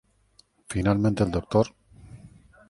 Finalmente, el Dr.